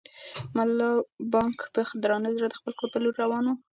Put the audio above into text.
ملا بانګ په درانه زړه د خپل کور په لور روان و.